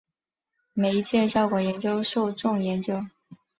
媒介效果研究受众研究